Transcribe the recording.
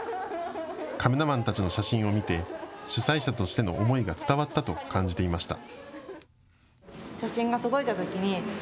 カメラマンたちの写真を見て主催者としての思いが伝わったと感じていました。